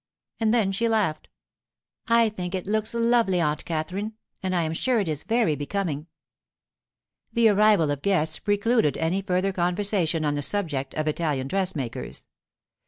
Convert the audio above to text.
And then she laughed. 'I think it looks lovely, Aunt Katherine, and I am sure it is very becoming.' The arrival of guests precluded any further conversation on the subject of Italian dressmakers.